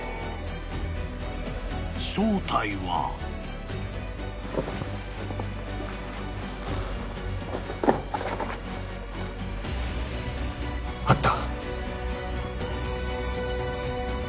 ［正体は］あった。